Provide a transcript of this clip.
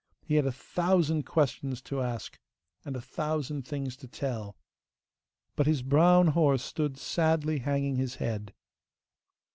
He had a thousand questions to ask, and a thousand things to tell. But his brown horse stood sadly hanging his head.